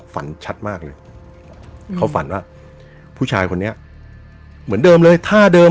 ฝันชัดมากเลยเขาฝันว่าผู้ชายคนนี้เหมือนเดิมเลยท่าเดิม